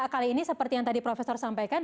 kali ini seperti yang tadi profesor sampaikan